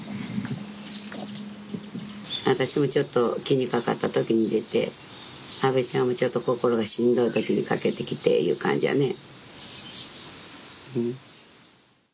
私もちょっと気にかかった時に出て阿部ちゃんもちょっと心がしんどい時にかけて来ていう感じやね。